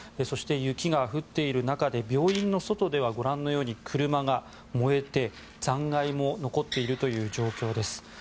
そして、雪が降っている中で病院の外ではご覧のように車が燃えて残骸も残っているという状況です